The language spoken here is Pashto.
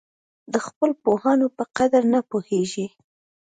د خپلو پوهانو په قدر نه پوهېږي.